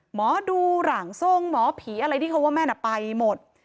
หมอดูหลังทรงหมอผีอะไรที่เขาว่าแม่น่ะไปหมด